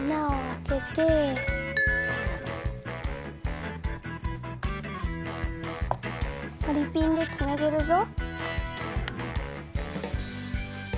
わりピンでつなげるぞ。